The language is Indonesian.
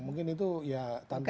mungkin itu ya tantangan